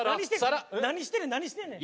何してんねん何してんねん。